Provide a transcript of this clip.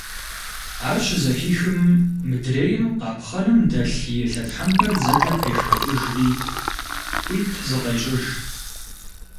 Ар щызэхихым, мыдрейм къапхъэным дэлъ и лъэтхьэмпэр дзэкӀэ пешхыкӀыжри, хуит зыкъещӀыж.